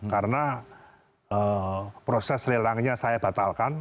karena proses lelangnya saya batalkan